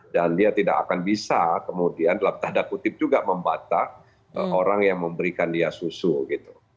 dan dia tidak akan bisa kemudian dalam tanda kutip juga membatak orang yang memberikan dia susu gitu